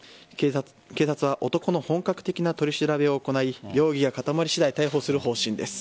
警察は男の本格的な取り調べを行い容疑が固まり次第逮捕する方針です。